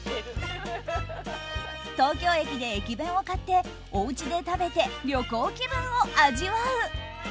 東京駅で駅弁を買っておうちで食べて旅行気分を味わう。